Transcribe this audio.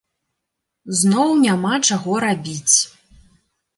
Зноў няма чаго рабіць.